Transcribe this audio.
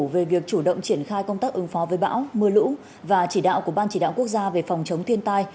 về việc chủ động triển khai công tác ứng phó với bão mưa lũ và chỉ đạo của ban chỉ đạo quốc gia về phòng chống thiên tai